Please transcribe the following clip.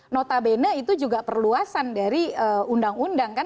notabene itu juga perluasan dari undang undang kan